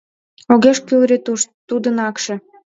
Огеш кӱл ретушь, тудын акше